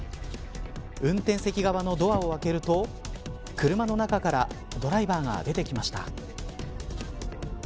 運転席側のドアを開けると車の中からドライバーが出てきました。